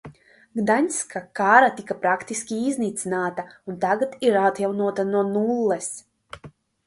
Gdaņska karā tika praktiski iznīcināta un tagad ir atjaunota no nulles.